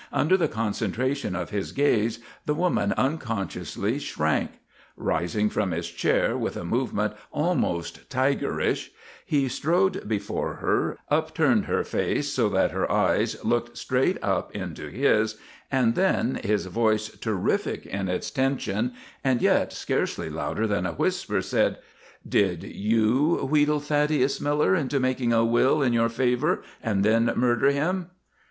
Under the concentration of his gaze, the woman unconsciously shrank. Rising from his chair with a movement almost tigerish, he strode before her, upturned her face so that her eyes looked straight up into his, and then, his voice terrific in its tension, and yet scarcely louder than a whisper, said: "Did you wheedle Thaddeus Miller into making a will in your favour and then murder him?"